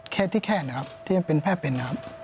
แค่ที่แค่นะครับที่มันเป็นแพร่เป็นนะครับ